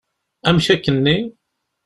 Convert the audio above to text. Amek akken-nni?